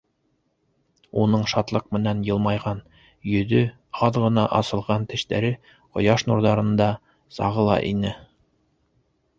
Уның шатлыҡ менән йылмайған йөҙө, аҙ ғына асылған тештәре ҡояш нурҙарында сағыла ине.